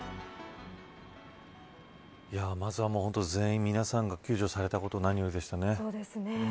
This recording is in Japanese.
まずは本当に全員、皆さんが救助されたこと、何よりですね。